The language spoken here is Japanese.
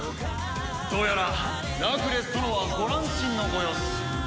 どうやらラクレス殿はご乱心のご様子。